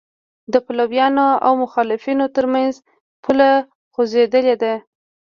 د پلویانو او مخالفانو تر منځ پوله خوځېدلې ده.